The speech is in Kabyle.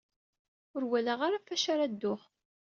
Ur walaɣ ara ɣef wacu ara dduɣ.